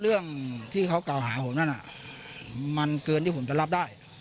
เรื่องที่เขากล่าวหาผมนั่นน่ะมันเกินที่ผมจะรับได้